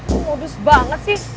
lo modus banget sih